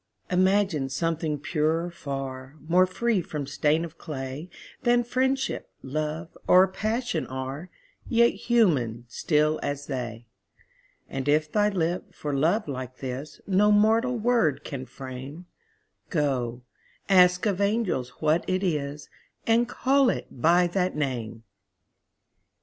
Imagine something purer far, More free from stain of clay Than Friendship, Love, or Passion are, Yet human, still as they: And if thy lip, for love like this, No mortal word can frame, Go, ask of angels what it is, And call it by that name!